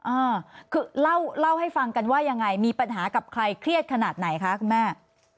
อ่าคือเล่าเล่าให้ฟังกันว่ายังไงมีปัญหากับใครเครียดขนาดไหนคะคุณแม่